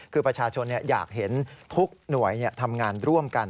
คือประชาชนอยากเห็นทุกหน่วยทำงานร่วมกัน